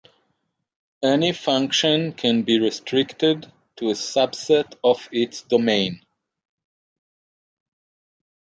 Any function can be restricted to a subset of its domain.